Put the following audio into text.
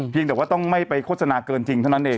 แต่ว่าต้องไม่ไปโฆษณาเกินจริงเท่านั้นเอง